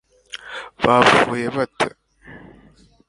bapfuye bate